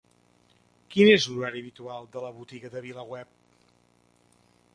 Quin és l'horari habitual de la botiga de VilaWeb?